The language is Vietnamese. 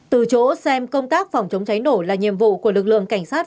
từ chỗ xem công tác phòng chống cháy nổ là nhiệm vụ của lực lượng cảnh sát